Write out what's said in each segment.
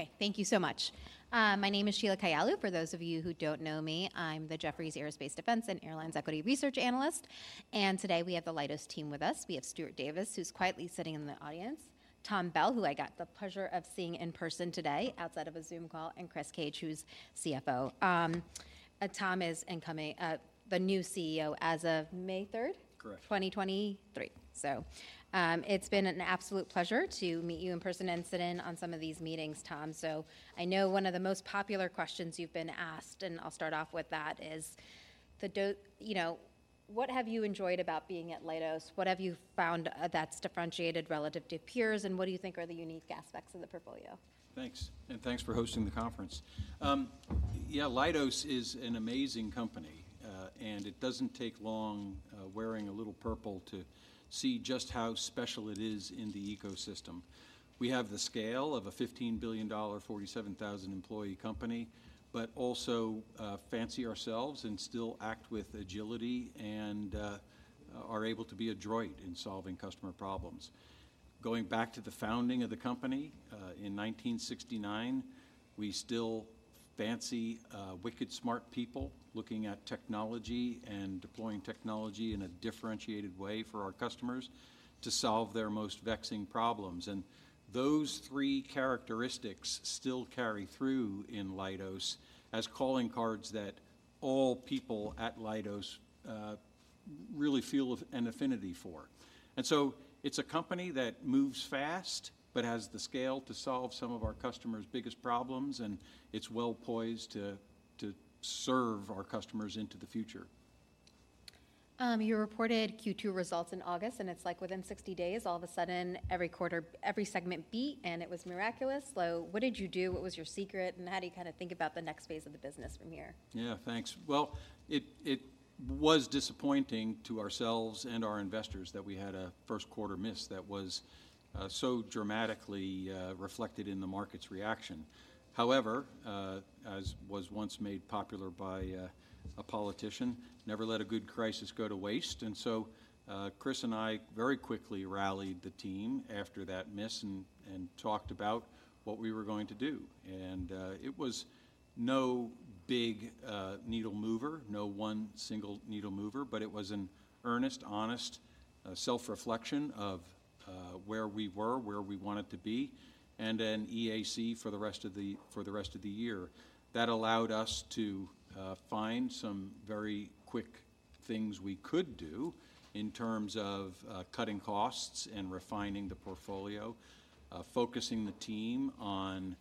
Okay, thank you so much. My name is Sheila Kahyaoglu. For those of you who don't know me, I'm the Jefferies Aerospace, Defense, and Airlines equity research analyst, and today we have the Leidos team with us. We have Stuart Davis, who's quietly sitting in the audience, Tom Bell, who I got the pleasure of seeing in person today outside of a Zoom call, and Chris Cage, who's CFO. Tom is incoming, the new CEO as of May 3rd? Correct. 2023. So, it's been an absolute pleasure to meet you in person and sit in on some of these meetings, Tom. So I know one of the most popular questions you've been asked, and I'll start off with that, is, you know, what have you enjoyed about being at Leidos? What have you found that's differentiated relative to peers, and what do you think are the unique aspects of the portfolio? Thanks, and thanks for hosting the conference. Yeah, Leidos is an amazing company, and it doesn't take long, wearing a little purple to see just how special it is in the ecosystem. We have the scale of a $15 billion, 47,000-employee company, but also, fancy ourselves and still act with agility and, are able to be adroit in solving customer problems. Going back to the founding of the company, in 1969, we still fancy, wicked smart people looking at technology and deploying technology in a differentiated way for our customers to solve their most vexing problems. And those three characteristics still carry through in Leidos as calling cards that all people at Leidos, really feel of an affinity for. It's a company that moves fast, but has the scale to solve some of our customers' biggest problems, and it's well poised to serve our customers into the future. You reported Q2 results in August, and it's like within 60 days, all of a sudden, every quarter, every segment beat, and it was miraculous. So what did you do? What was your secret, and how do you kind of think about the next phase of the business from here? Yeah, thanks. Well, it was disappointing to ourselves and our investors that we had a first quarter miss that was so dramatically reflected in the market's reaction. However, as was once made popular by a politician, "Never let a good crisis go to waste." And so, Chris and I very quickly rallied the team after that miss and talked about what we were going to do. And, it was no big needle mover, no one single needle mover, but it was an earnest, honest self-reflection of where we were, where we wanted to be, and an EAC for the rest of the year. That allowed us to find some very quick things we could do in terms of cutting costs and refining the portfolio, focusing the team on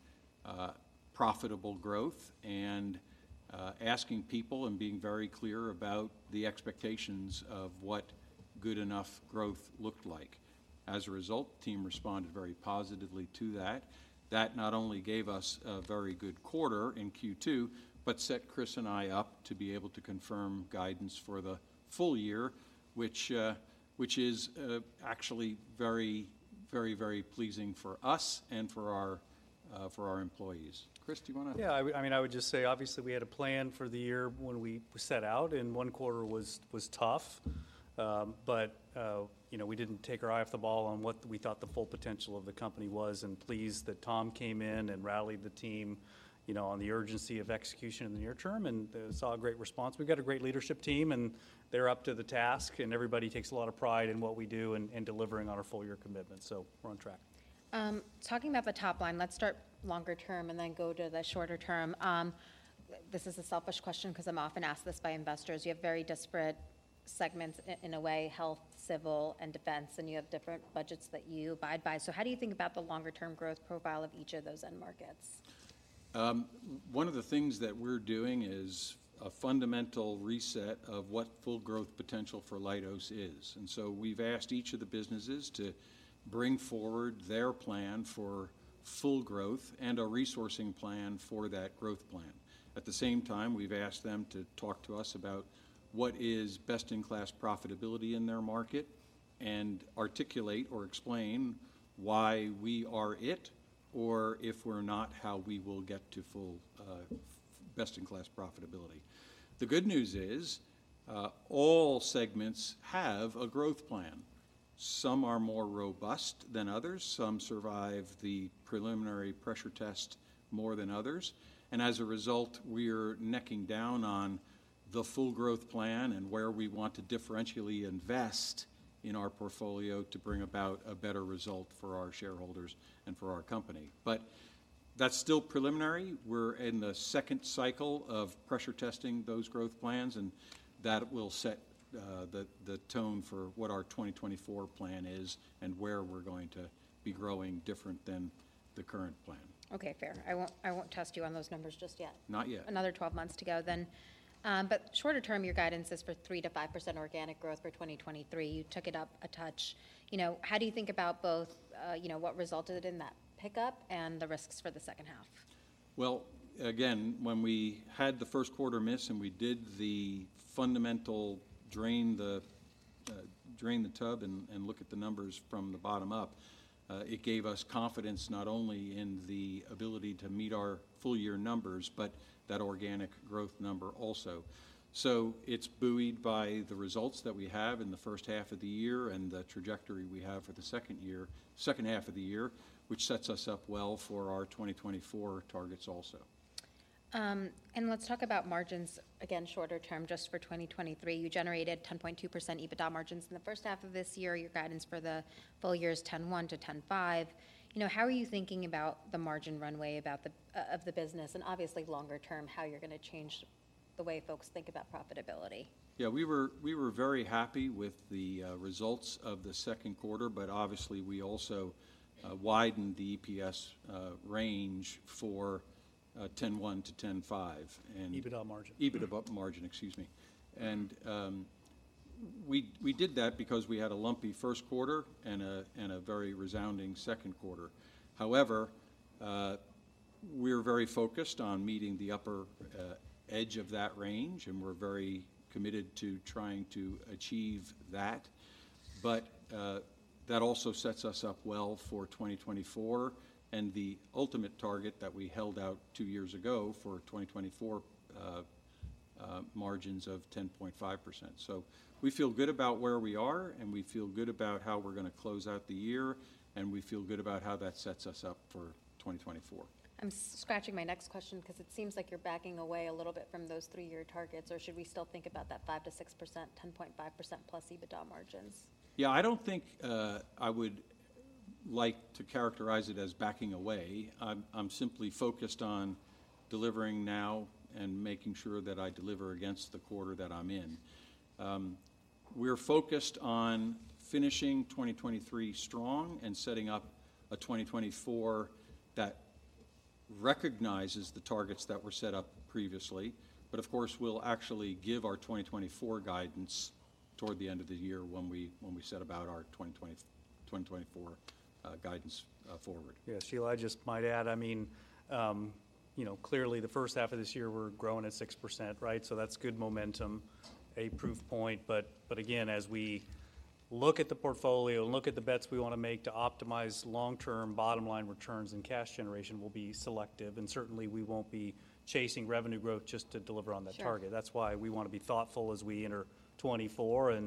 profitable growth, and asking people and being very clear about the expectations of what good enough growth looked like. As a result, the team responded very positively to that. That not only gave us a very good quarter in Q2, but set Chris and I up to be able to confirm guidance for the full year, which is actually very, very, very pleasing for us and for our employees. Chris, do you wanna- Yeah, I mean, I would just say, obviously, we had a plan for the year when we set out, and one quarter was tough. But, you know, we didn't take our eye off the ball on what we thought the full potential of the company was, and pleased that Tom came in and rallied the team, you know, on the urgency of execution in the near term, and saw a great response. We've got a great leadership team, and they're up to the task, and everybody takes a lot of pride in what we do and delivering on our full-year commitment. So we're on track. Talking about the top line, let's start longer term and then go to the shorter term. This is a selfish question 'cause I'm often asked this by investors. You have very disparate segments in a way, health, civil, and defense, and you have different budgets that you abide by. So how do you think about the longer-term growth profile of each of those end markets? One of the things that we're doing is a fundamental reset of what full growth potential for Leidos is. And so we've asked each of the businesses to bring forward their plan for full growth and a resourcing plan for that growth plan. At the same time, we've asked them to talk to us about what is best-in-class profitability in their market and articulate or explain why we are it, or if we're not, how we will get to full best-in-class profitability. The good news is, all segments have a growth plan. Some are more robust than others, some survived the preliminary pressure test more than others, and as a result, we're necking down on the full growth plan and where we want to differentially invest in our portfolio to bring about a better result for our shareholders and for our company. But that's still preliminary. We're in the second cycle of pressure testing those growth plans, and that will set the tone for what our 2024 plan is and where we're going to be growing different than the current plan. Okay, fair. I won't, I won't test you on those numbers just yet. Not yet. Another 12 months to go then. Shorter term, your guidance is for 3%-5% organic growth for 2023. You took it up a touch. You know, how do you think about both, you know, what resulted in that pickup and the risks for the second half? Well, again, when we had the first quarter miss and we did the fundamental drain the tub and look at the numbers from the bottom up, it gave us confidence not only in the ability to meet our full-year numbers, but that organic growth number also. So it's buoyed by the results that we have in the first half of the year and the trajectory we have for the second half of the year, which sets us up well for our 2024 targets also.... and let's talk about margins again, shorter term, just for 2023. You generated 10.2% EBITDA margins in the first half of this year. Your guidance for the full year is 10.1%-10.5%. You know, how are you thinking about the margin runway about the, of the business, and obviously longer term, how you're going to change the way folks think about profitability? Yeah, we were very happy with the results of the second quarter, but obviously we also widened the EPS range for $10.1-$10.5, and- EBITDA margin. EBITDA margin, excuse me. And, we did that because we had a lumpy first quarter and a very resounding second quarter. However, we're very focused on meeting the upper edge of that range, and we're very committed to trying to achieve that. But, that also sets us up well for 2024, and the ultimate target that we held out two years ago for 2024, margins of 10.5%. So we feel good about where we are, and we feel good about how we're going to close out the year, and we feel good about how that sets us up for 2024. I'm scratching my next question because it seems like you're backing away a little bit from those three-year targets, or should we still think about that 5%-6%, 10.5%+ EBITDA margins? Yeah, I don't think I would like to characterize it as backing away. I'm simply focused on delivering now and making sure that I deliver against the quarter that I'm in. We're focused on finishing 2023 strong and setting up a 2024 that recognizes the targets that were set up previously. But of course, we'll actually give our 2024 guidance toward the end of the year when we set about our 2024 guidance forward. Yeah, Sheila, I just might add, I mean, you know, clearly the first half of this year, we're growing at 6%, right? So that's good momentum, a proof point. But, but again, as we look at the portfolio and look at the bets we want to make to optimize long-term bottom-line returns and cash generation, we'll be selective, and certainly we won't be chasing revenue growth just to deliver on that target. Sure. That's why we want to be thoughtful as we enter 2024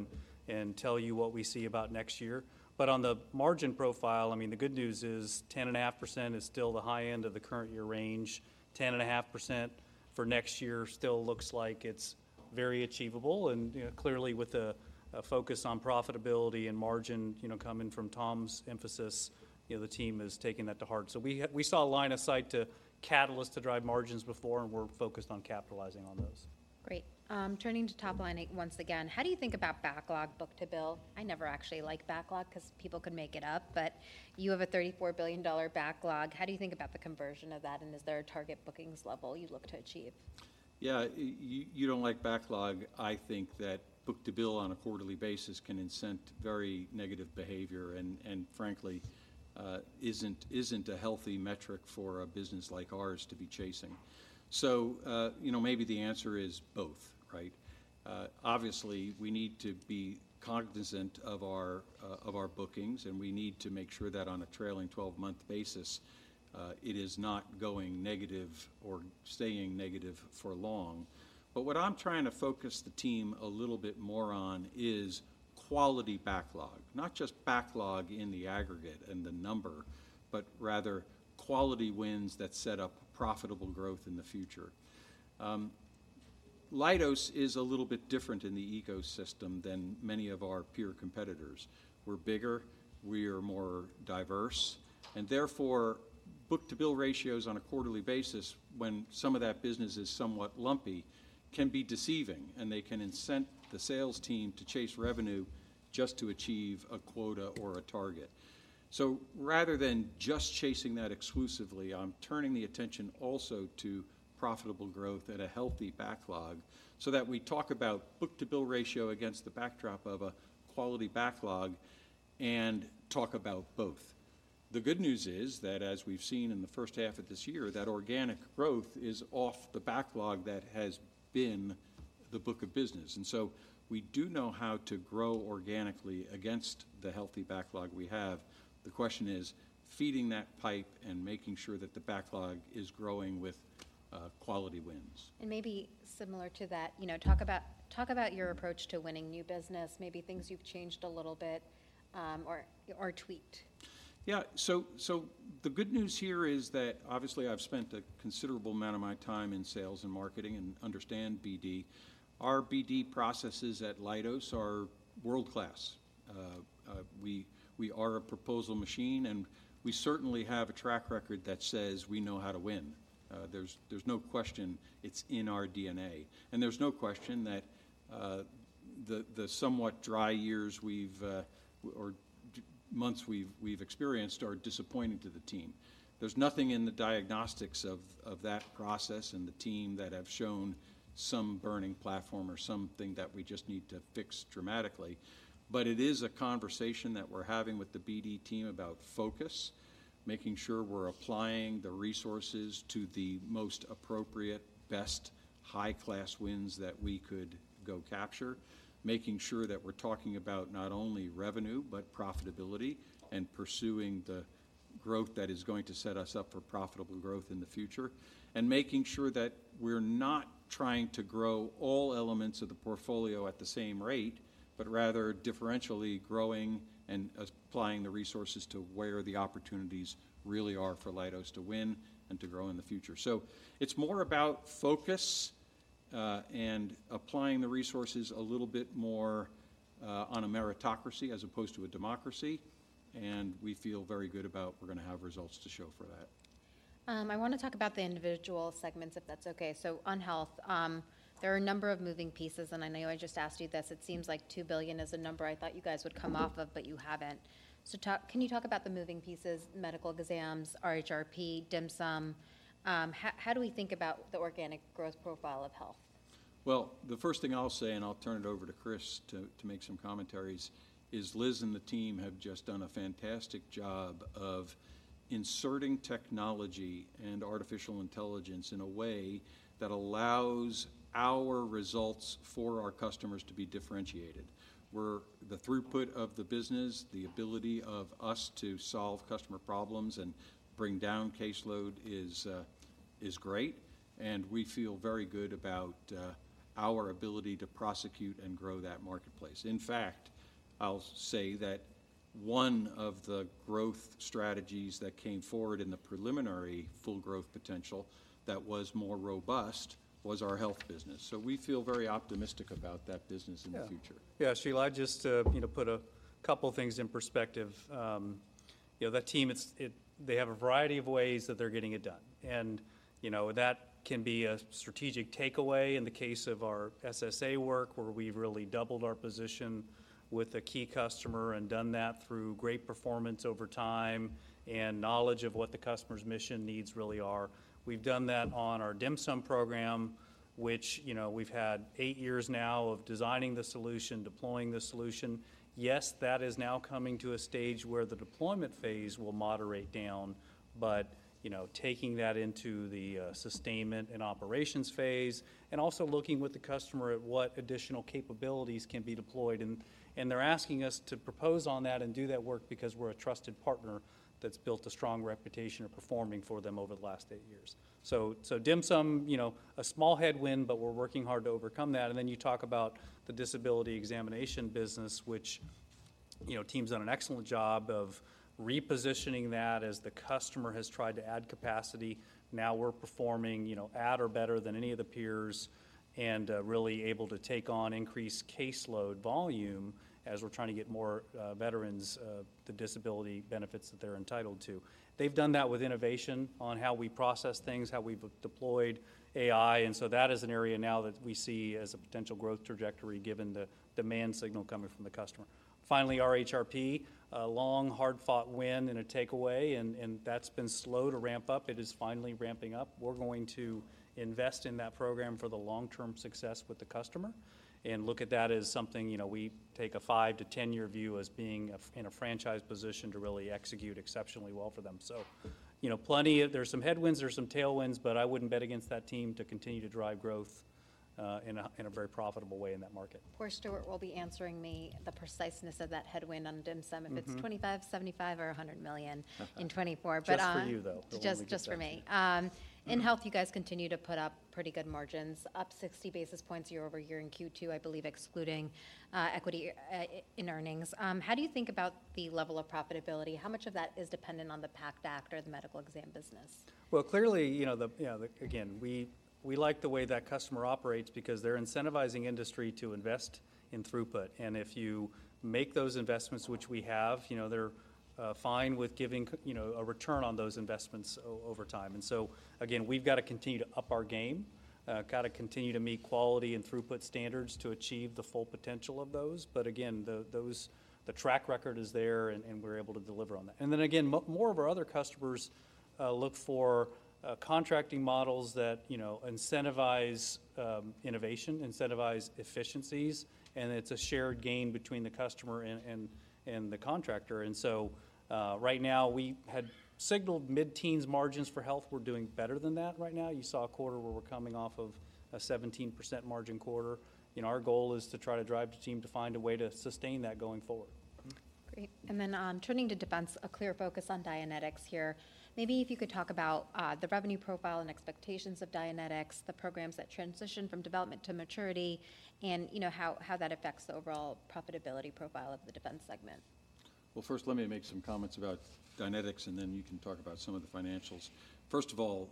and tell you what we see about next year. But on the margin profile, I mean, the good news is 10.5% is still the high end of the current year range. 10.5% for next year still looks like it's very achievable. And, you know, clearly with a focus on profitability and margin, you know, coming from Tom's emphasis, you know, the team is taking that to heart. So we saw a line of sight to catalysts to drive margins before, and we're focused on capitalizing on those. Great. Turning to top line once again, how do you think about backlog book-to-bill? I never actually like backlog because people can make it up, but you have a $34 billion backlog. How do you think about the conversion of that, and is there a target bookings level you'd look to achieve? Yeah, you don't like backlog. I think that book-to-bill on a quarterly basis can incent very negative behavior and frankly, isn't a healthy metric for a business like ours to be chasing. So, you know, maybe the answer is both, right? Obviously, we need to be cognizant of our bookings, and we need to make sure that on a trailing twelve-month basis, it is not going negative or staying negative for long. But what I'm trying to focus the team a little bit more on is quality backlog, not just backlog in the aggregate and the number, but rather quality wins that set up profitable growth in the future. Leidos is a little bit different in the ecosystem than many of our peer competitors. We're bigger, we are more diverse, and therefore, book-to-bill ratios on a quarterly basis, when some of that business is somewhat lumpy, can be deceiving, and they can incent the sales team to chase revenue just to achieve a quota or a target. So rather than just chasing that exclusively, I'm turning the attention also to profitable growth at a healthy backlog, so that we talk about book-to-bill ratio against the backdrop of a quality backlog and talk about both. The good news is that as we've seen in the first half of this year, that organic growth is off the backlog that has been the book of business, and so we do know how to grow organically against the healthy backlog we have. The question is, feeding that pipe and making sure that the backlog is growing with quality wins. Maybe similar to that, you know, talk about your approach to winning new business, maybe things you've changed a little bit, or tweaked. Yeah. So the good news here is that obviously, I've spent a considerable amount of my time in sales and marketing and understand BD. Our BD processes at Leidos are world-class. We are a proposal machine, and we certainly have a track record that says we know how to win. There's no question it's in our DNA, and there's no question that the somewhat dry years or months we've experienced are disappointing to the team. There's nothing in the diagnostics of that process and the team that have shown some burning platform or something that we just need to fix dramatically. But it is a conversation that we're having with the BD team about focus, making sure we're applying the resources to the most appropriate, best, high-class wins that we could go capture. Making sure that we're talking about not only revenue, but profitability, and pursuing the growth that is going to set us up for profitable growth in the future. And making sure that we're not trying to grow all elements of the portfolio at the same rate, but rather differentially growing and applying the resources to where the opportunities really are for Leidos to win and to grow in the future. So it's more about focus and applying the resources a little bit more on a meritocracy as opposed to a democracy, and we feel very good about we're gonna have results to show for that. I wanna talk about the individual segments, if that's okay. So on health, there are a number of moving pieces, and I know I just asked you this. It seems like $2 billion is a number I thought you guys would come off of, but you haven't. Can you talk about the moving pieces, medical exams, RHRP, DHMSM? How do we think about the organic growth profile of health? Well, the first thing I'll say, and I'll turn it over to Chris to make some commentaries, is Liz and the team have just done a fantastic job of inserting technology and artificial intelligence in a way that allows our results for our customers to be differentiated. Where the throughput of the business, the ability of us to solve customer problems and bring down caseload is great, and we feel very good about our ability to prosecute and grow that marketplace. In fact, I'll say that one of the growth strategies that came forward in the preliminary full growth potential that was more robust was our health business. So we feel very optimistic about that business in the future. Yeah. Yeah, Sheila, I just to, you know, put a couple things in perspective. You know, that team, they have a variety of ways that they're getting it done. And, you know, that can be a strategic takeaway in the case of our SSA work, where we've really doubled our position with a key customer and done that through great performance over time and knowledge of what the customer's mission needs really are. We've done that on our DHMSM program, which, you know, we've had eight years now of designing the solution, deploying the solution. Yes, that is now coming to a stage where the deployment phase will moderate down, but, you know, taking that into the sustainment and operations phase, and also looking with the customer at what additional capabilities can be deployed, and they're asking us to propose on that and do that work because we're a trusted partner that's built a strong reputation of performing for them over the last eight years. So, DHMSM, you know, a small headwind, but we're working hard to overcome that. And then you talk about the disability examination business, which, you know, team's done an excellent job of repositioning that as the customer has tried to add capacity. Now we're performing, you know, at or better than any of the peers and really able to take on increased caseload volume as we're trying to get more veterans the disability benefits that they're entitled to. They've done that with innovation on how we process things, how we've deployed AI, and so that is an area now that we see as a potential growth trajectory, given the demand signal coming from the customer. Finally, RHRP, a long, hard-fought win and a takeaway, and that's been slow to ramp up. It is finally ramping up. We're going to invest in that program for the long-term success with the customer and look at that as something, you know, we take a five to ten year view as being a f- in a franchise position to really execute exceptionally well for them. So, you know, plenty of... There are some headwinds, there are some tailwinds, but I wouldn't bet against that team to continue to drive growth, in a very profitable way in that market. Poor Stuart will be answering me the preciseness of that headwind on DHMSM- Mm-hmm... if it's $25 million, $75 million, or $100 million in 2024. But, Just for you, though. Just, just for me. Just for you. In health, you guys continue to put up pretty good margins, up 60 basis points year-over-year in Q2, I believe, excluding equity in earnings. How do you think about the level of profitability? How much of that is dependent on the PACT Act or the medical exam business? Well, clearly, you know, again, we like the way that customer operates because they're incentivizing industry to invest in throughput. And if you make those investments, which we have, you know, they're fine with giving you know, a return on those investments over time. And so, again, we've got to continue to up our game, gotta continue to meet quality and throughput standards to achieve the full potential of those. But again, those track record is there, and we're able to deliver on that. And then again, more of our other customers look for contracting models that, you know, incentivize innovation, incentivize efficiencies, and it's a shared gain between the customer and the contractor. And so, right now, we had signaled mid-teens margins for health. We're doing better than that right now. You saw a quarter where we're coming off of a 17% margin quarter, and our goal is to try to drive the team to find a way to sustain that going forward. Great. And then, turning to defense, a clear focus on Dynetics here. Maybe if you could talk about, the revenue profile and expectations of Dynetics, the programs that transition from development to maturity, and, you know, how that affects the overall profitability profile of the defense segment. Well, first, let me make some comments about Dynetics, and then you can talk about some of the financials. First of all,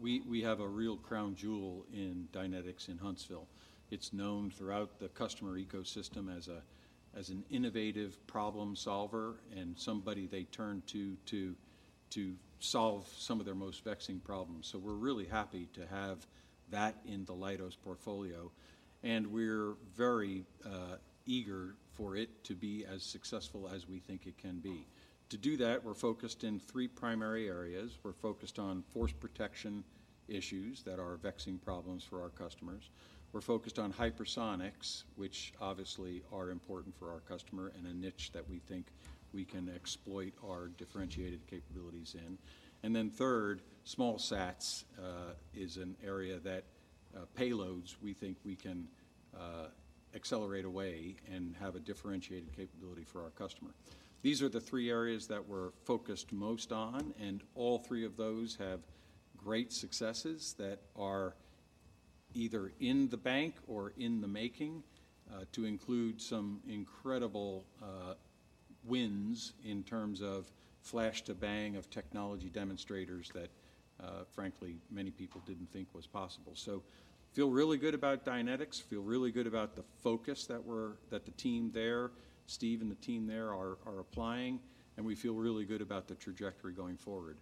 we have a real crown jewel in Dynetics in Huntsville. It's known throughout the customer ecosystem as an innovative problem solver and somebody they turn to to solve some of their most vexing problems. So we're really happy to have that in the Leidos portfolio, and we're very eager for it to be as successful as we think it can be. To do that, we're focused in three primary areas. We're focused on force protection issues that are vexing problems for our customers. We're focused on hypersonics, which obviously are important for our customer and a niche that we think we can exploit our differentiated capabilities in. And then third, small sats is an area that payloads we think we can accelerate away and have a differentiated capability for our customer. These are the three areas that we're focused most on, and all three of those have great successes that are either in the bank or in the making, to include some incredible wins in terms of flash to bang of technology demonstrators that frankly many people didn't think was possible. So feel really good about Dynetics, feel really good about the focus that the team there, Steve and the team there, are applying, and we feel really good about the trajectory going forward.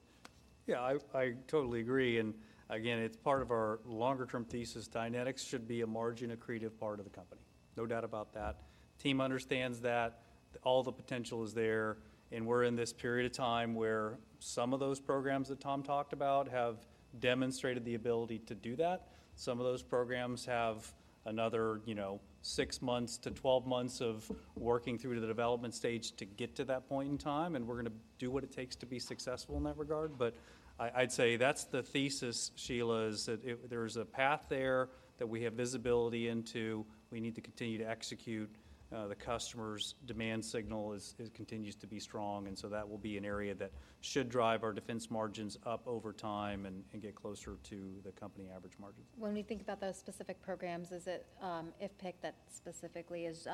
Yeah, I, I totally agree, and again, it's part of our longer term thesis. Dynetics should be a margin-accretive part of the company, no doubt about that. Team understands that all the potential is there, and we're in this period of time where some of those programs that Tom talked about have demonstrated the ability to do that. Some of those programs have another, you know, 6 months-12 months of working through to the development stage to get to that point in time, and we're gonna do what it takes to be successful in that regard. But I, I'd say that's the thesis, Sheila, is that it—there's a path there that we have visibility into. We need to continue to execute. The customer's demand signal continues to be strong, and so that will be an area that should drive our defense margins up over time and get closer to the company average margin. When we think about the specific programs, is it IFPC that specifically is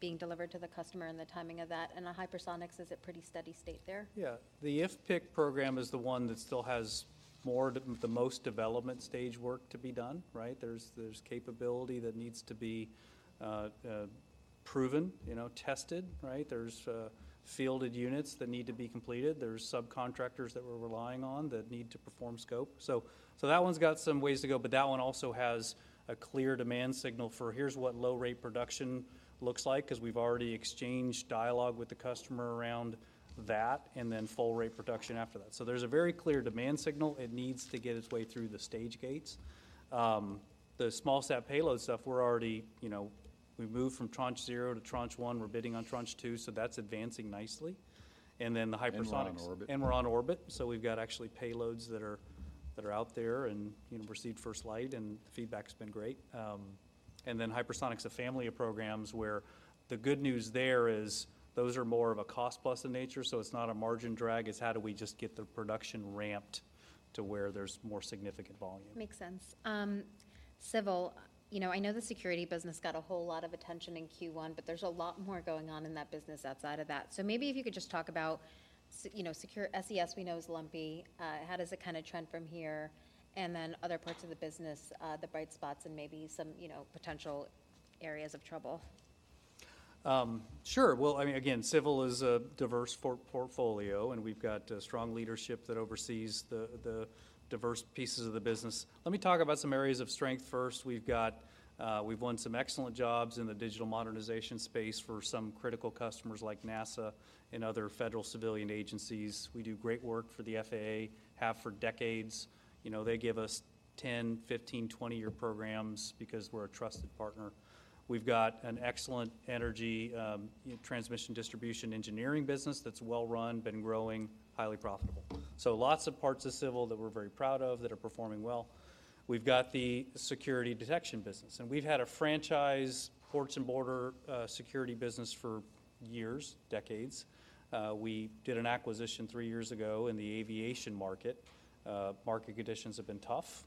being delivered to the customer and the timing of that? And then hypersonics, is it pretty steady state there? Yeah. The IFPC program is the one that still has the most development stage work to be done, right? There's capability that needs to be proven, you know, tested, right? There's fielded units that need to be completed. There's subcontractors that we're relying on that need to perform scope. So that one's got some ways to go, but that one also has a clear demand signal for here's what low-rate production looks like, 'cause we've already exchanged dialogue with the customer around that, and then full-rate production after that. So there's a very clear demand signal. It needs to get its way through the stage gates. The SmallSat payload stuff, we're already... You know, we've moved from Tranche 0 to Tranche 1. We're bidding on Tranche 2, so that's advancing nicely. And then the hypersonics- We're on orbit. We're on orbit, so we've got actually payloads that are out there and, you know, received first light, and feedback's been great. And then Hypersonics, a family of programs where the good news there is those are more of a cost plus in nature, so it's not a margin drag. It's how do we just get the production ramped to where there's more significant volume? Makes sense. Civil, you know, I know the security business got a whole lot of attention in Q1, but there's a lot more going on in that business outside of that. So maybe if you could just talk about, you know, secure SES we know is lumpy. How does it kind of trend from here? And then other parts of the business, the bright spots and maybe some, you know, potential areas of trouble. Sure. Well, I mean, again, Civil is a diverse portfolio, and we've got strong leadership that oversees the diverse pieces of the business. Let me talk about some areas of strength first. We've won some excellent jobs in the digital modernization space for some critical customers like NASA and other federal civilian agencies. We do great work for the FAA, have for decades. You know, they give us 10-, 15-, 20-year programs because we're a trusted partner. We've got an excellent energy transmission, distribution, engineering business that's well-run, been growing, highly profitable. So lots of parts of Civil that we're very proud of, that are performing well. We've got the security detection business, and we've had a franchise, ports and border security business for years, decades. We did an acquisition three years ago in the aviation market. Market conditions have been tough.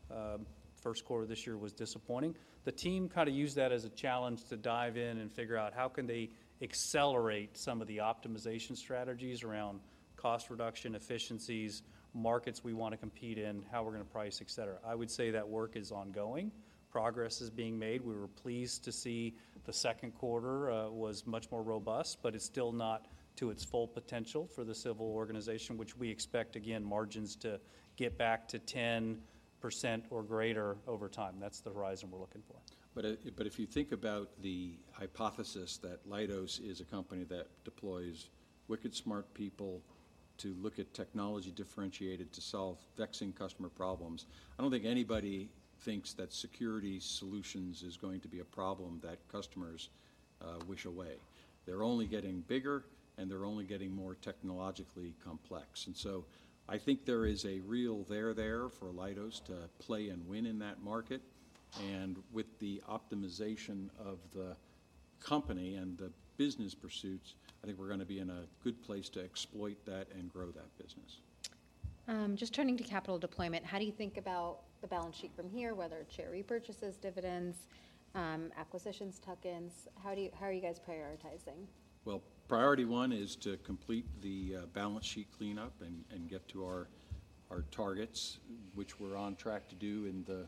First quarter this year was disappointing. The team kind of used that as a challenge to dive in and figure out how can they accelerate some of the optimization strategies around cost reduction, efficiencies, markets we want to compete in, how we're gonna price, et cetera. I would say that work is ongoing. Progress is being made. We were pleased to see the second quarter was much more robust, but it's still not to its full potential for the Civil organization, which we expect, again, margins to get back to 10% or greater over time. That's the horizon we're looking for. But, but if you think about the hypothesis that Leidos is a company that deploys wicked smart people to look at technology differentiated to solve vexing customer problems, I don't think anybody thinks that security solutions is going to be a problem that customers, wish away. They're only getting bigger, and they're only getting more technologically complex. And so I think there is a real there there for Leidos to play and win in that market. And with the optimization of the company and the business pursuits, I think we're gonna be in a good place to exploit that and grow that business. Just turning to capital deployment, how do you think about the balance sheet from here, whether it's share repurchases, dividends, acquisitions, tuck-ins? How are you guys prioritizing? Well, priority one is to complete the balance sheet clean-up and get to our targets, which we're on track to do in the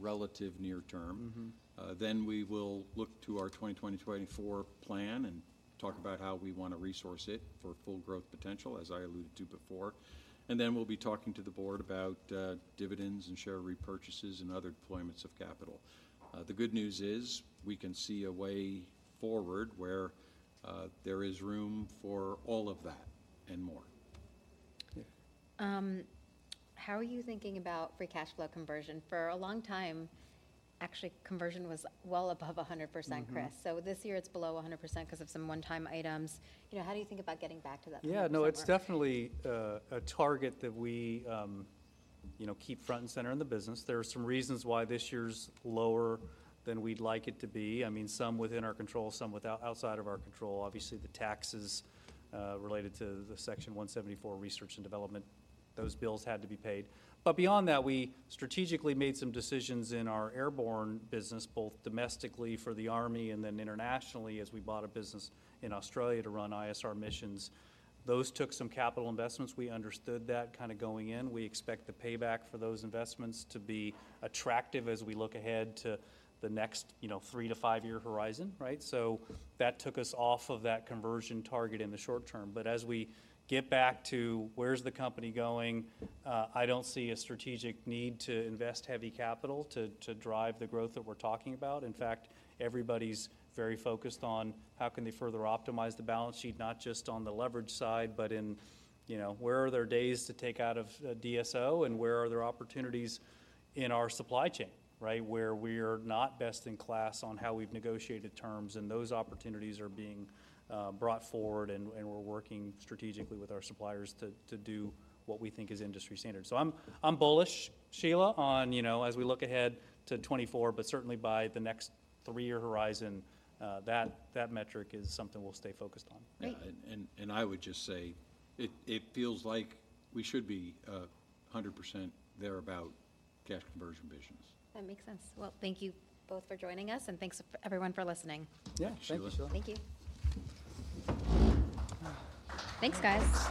relative near term. Mm-hmm. Then we will look to our 2024 plan and talk about how we want to resource it for full growth potential, as I alluded to before. Then we'll be talking to the board about dividends and share repurchases and other deployments of capital. The good news is we can see a way forward where there is room for all of that and more. Yeah. How are you thinking about free cash flow conversion? For a long time, actually, conversion was well above 100%- Mm-hmm... Chris. So this year it's below 100% 'cause of some one-time items. You know, how do you think about getting back to that point? Yeah, no, it's definitely a target that we, you know, keep front and center in the business. There are some reasons why this year's lower than we'd like it to be. I mean, some within our control, some outside of our control. Obviously, the taxes related to the Section 174, Research and Development, those bills had to be paid. But beyond that, we strategically made some decisions in our airborne business, both domestically for the Army and then internationally as we bought a business in Australia to run ISR missions. Those took some capital investments. We understood that kind of going in. We expect the payback for those investments to be attractive as we look ahead to the next, you know, three to five-year horizon, right? So that took us off of that conversion target in the short term. But as we get back to where's the company going, I don't see a strategic need to invest heavy capital to drive the growth that we're talking about. In fact, everybody's very focused on how can they further optimize the balance sheet, not just on the leverage side, but in, you know, where are there days to take out of DSO, and where are there opportunities in our supply chain, right? Where we're not best in class on how we've negotiated terms, and those opportunities are being brought forward, and we're working strategically with our suppliers to do what we think is industry standard. So I'm bullish, Sheila, on, you know, as we look ahead to 2024, but certainly by the next three-year horizon, that metric is something we'll stay focused on. Great. Yeah, and I would just say it feels like we should be 100% there about cash conversion metrics. That makes sense. Well, thank you both for joining us, and thanks, everyone for listening. Yeah. Thank you, Sheila. Thank you. Thanks, guys.